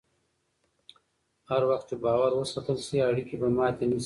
هر وخت چې باور وساتل شي، اړیکې به ماتې نه شي.